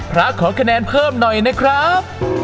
พระขอคะแนนเพิ่มหน่อยนะครับ